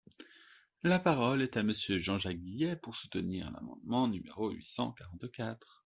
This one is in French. La parole est à Monsieur Jean-Jacques Guillet, pour soutenir l’amendement numéro huit cent quarante-quatre.